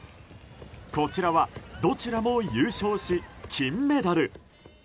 こちらはどちらも優勝し金メダル。